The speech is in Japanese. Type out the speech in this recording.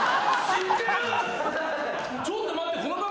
ちょっと待って。